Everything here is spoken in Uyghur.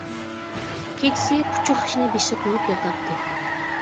كېچىسى پۇچۇق خىشنى بېشىغا قويۇپ ياتاتتى.